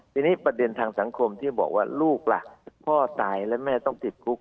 ทีนี้ประเด็นทางสังคมที่บอกว่าลูกล่ะพ่อตายแล้วแม่ต้องติดคุก